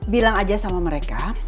bilang aja sama mereka